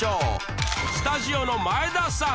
スタジオの前田さん